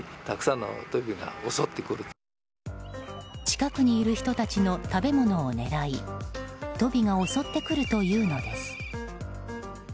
近くにいる人たちの食べ物を狙いトビが襲ってくるというのです。